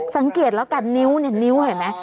สังเกตแล้วกันนิ้วเนี่ยนิ้วเห็นไหม